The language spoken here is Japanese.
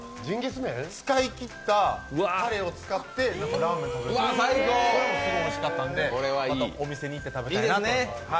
使い切ったたれを使ってラーメンするんですけど、それもすごくおいしかったので、またお店に行って食べたいと思います。